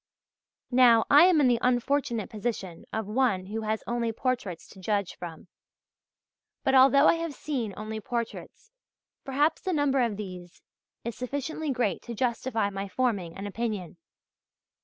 Now, I am in the unfortunate position of one who has only portraits to judge from. But although I have seen only portraits, perhaps the number of these is sufficiently great to justify my forming an opinion.